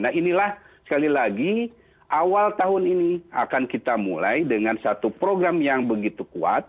nah inilah sekali lagi awal tahun ini akan kita mulai dengan satu program yang begitu kuat